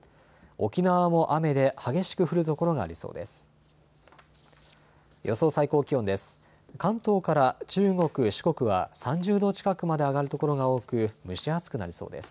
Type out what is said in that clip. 沖縄も雨で激しく降る所がありそうです。